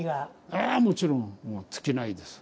あもちろんもう尽きないです。